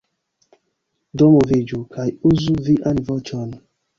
Do moviĝu, kaj uzu vian voĉon.